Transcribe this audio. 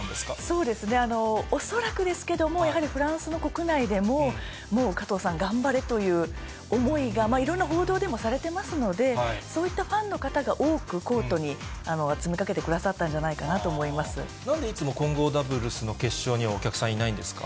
そうですね、恐らくですけれども、やはりフランスの国内でも、もう加藤さん、頑張れという思いが、いろいろ報道でもされてますので、そういったファンの方が多くコートに詰めかけてくださったんじゃなんでいつも混合ダブルスの決勝にはお客さんいないんですか？